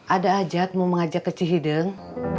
ada ajat mau mengajak ke cihideng